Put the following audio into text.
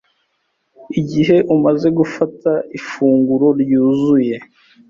Igihe umaze gufata ifunguro ryuzuye,